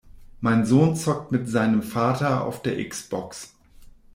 Mein Sohn zockt mit seinem Vater auf der X-Box!